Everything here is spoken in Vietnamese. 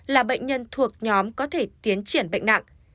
là bệnh nhân thuộc nhóm có thể tiến triển bệnh nặng